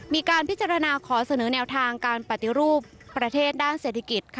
มีการพิจารณาขอเสนอแนวทางการปฏิรูปประเทศด้านเศรษฐกิจ